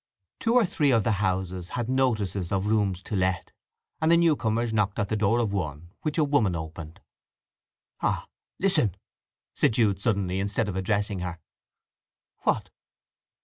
Two or three of the houses had notices of rooms to let, and the newcomers knocked at the door of one, which a woman opened. "Ah—listen!" said Jude suddenly, instead of addressing her. "What?"